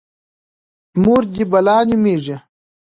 _مور دې بلا نومېږي؟